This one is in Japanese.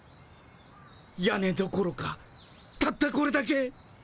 屋根どころかたったこれだけ。